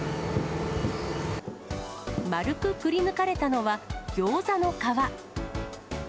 丸くくりぬかれたのは、ギョーザの皮。